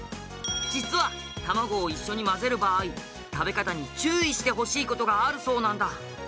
実は卵を一緒に混ぜる場合食べ方に注意してほしい事があるそうなんだ。